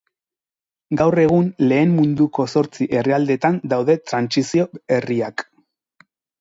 Gaur egun lehen munduko zortzi herrialdetan daude trantsizio herriak.